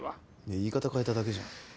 言い方変えただけじゃん！